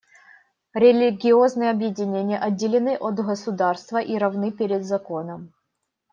Религиозные объединения отделены от государства и равны перед законом.